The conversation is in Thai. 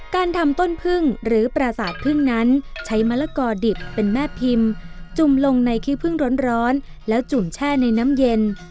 การทำต้นพึ่งหรือปราสาทพึ่งนั้นใช้มะละกอดิบเป็นแม่พิมพ์จุ่มลงในขี้พึ่งร้อนแล้วจุ่มแช่ในน้ำเย็น